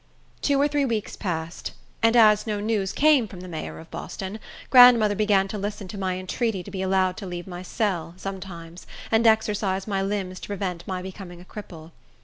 Two or three weeks passed, and as no news came from the mayor of Boston, grandmother began to listen to my entreaty to be allowed to leave my cell, sometimes, and exercise my limbs to prevent my becoming a cripple.